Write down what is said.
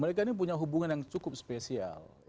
mereka ini punya hubungan yang cukup spesial